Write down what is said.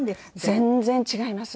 全然違います。